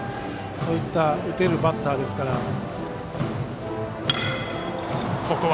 そういった打てるバッターですから。